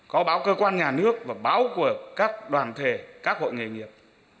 có báo cơ quan nhà nước và báo của các đoàn thể các hội nghề nghiệp